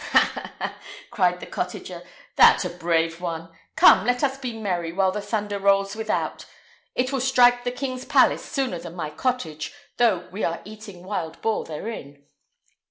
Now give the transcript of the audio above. "Ha! ha! ha!" cried the cottager; "thou'rt a brave one! Come, let us be merry while the thunder rolls without. It will strike the king's palace sooner than my cottage, though we are eating wild boar therein."